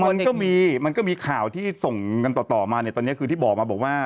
มันก็มีมันก็มีข่าวที่ส่งกันต่อต่อมาเนี่ยตอนนี้คือที่บอกมาบอกว่า